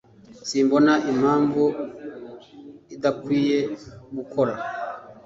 Simbona impamvu idakwiye gukora.